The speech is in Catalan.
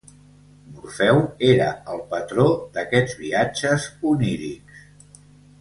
Morfeu era el patró d'aquests viatges onírics.